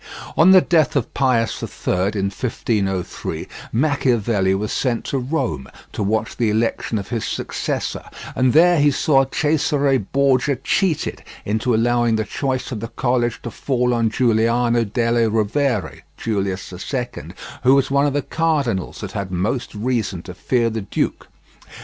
On the death of Pius III, in 1503, Machiavelli was sent to Rome to watch the election of his successor, and there he saw Cesare Borgia cheated into allowing the choice of the College to fall on Giuliano delle Rovere (Julius II), who was one of the cardinals that had most reason to fear the duke.